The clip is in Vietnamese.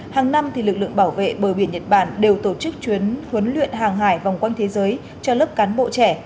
hàng năm lực lượng bảo vệ bờ biển nhật bản đều tổ chức chuyến huấn luyện hàng hải vòng quanh thế giới cho lớp cán bộ trẻ